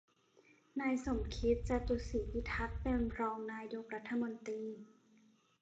นายสมคิด จาตุศรีพิทักษ์ เป็นรองนายกรัฐมนตรี